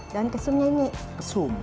daun kesumnya ini kesum